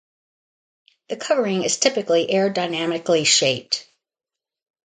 The covering is typically aerodynamically shaped.